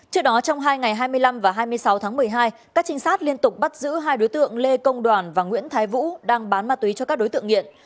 trước đó trong hai ngày hai mươi năm và hai mươi sáu tháng một mươi hai các trinh sát liên tục bắt giữ hai đối tượng lê công đoàn và nguyễn thái vũ đang bán ma túy cho các đối tượng nghiện